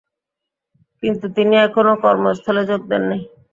কিন্তু তিনি এখনো কর্মস্থলে যোগ দেননি।